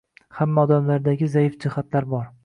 Hamma odamlardagi zaif jihatlar bor.